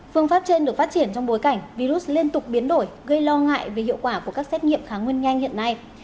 phương pháp trên được phát triển trong bối cảnh virus liên tục biến đổi gây lo ngại về hiệu quả của các xét nghiệm kháng nguyên nhanh hiện nay